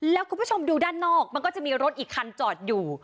แล้วคุณผู้ชมดูด้านนอกมันก็จะมีรถอีกคันจอดอยู่